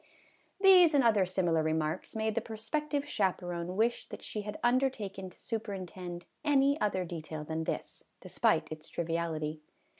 These and other similar remarks made the pro spective chaperon wish that she had undertaken to superintend any other detail than this, despite its triviality.